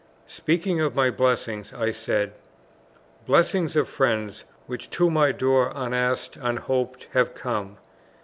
Speaking of my blessings, I said, "Blessings of friends, which to my door unasked, unhoped, have come."